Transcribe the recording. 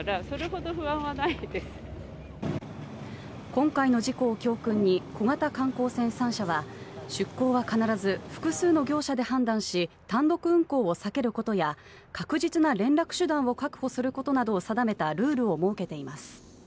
今回の事故を教訓に小型観光船３社は出港は必ず複数の業者で判断し単独運航を避けることや確実な連絡手段を確保することなどを定めたルールを設けています。